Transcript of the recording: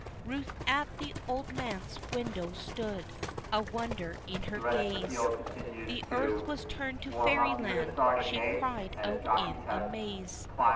Ruth at the old manse window stood, a wonder in her gaze, "The earth was turned to fairyland" she cried out in amaze!